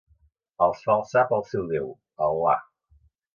Els fa alçar pel seu déu: Al·là.